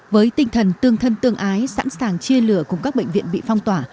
với tinh thần tương thân tương ái sẵn sàng chia lửa cùng các bệnh viện bị phong tỏa